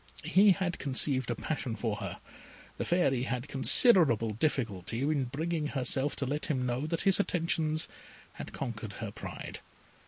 He had conceived a passion for her. The Fairy had considerable difficulty in bringing herself to let him know that his attentions had conquered her pride.